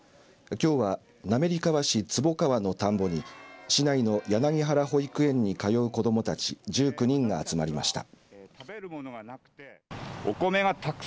きょうは滑川市坪川の田んぼに市内のやなぎはら保育園に通う子どもたち１９人が集まりました。